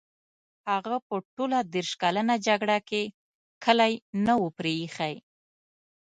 هغه په ټوله دېرش کلنه جګړه کې کلی نه وو پرې ایښی.